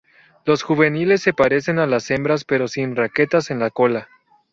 Los juveniles se parecen a las hembras pero sin raquetas en la cola.